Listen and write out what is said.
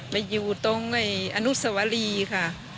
ไปอยู่ตรงอนุสวรีค่ะ